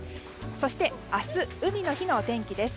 そして、明日海の日のお天気です。